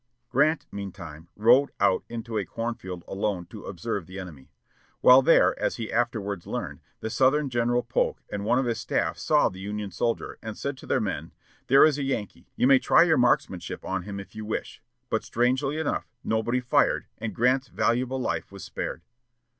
Grant, meantime, rode out into a cornfield alone to observe the enemy. While there, as he afterwards learned, the Southern General Polk and one of his staff saw the Union soldier, and said to their men, "There is a Yankee; you may try your marksmanship on him if you wish;" but, strangely enough, nobody fired, and Grant's valuable life was spared.